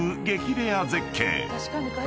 レア絶景］